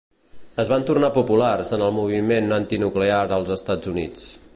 Es van tornar populars en el moviment antinuclear als Estats Units.